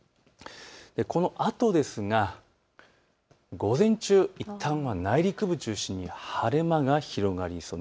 このあとですが午前中いったんは内陸部中心に晴れ間が広がりそうです。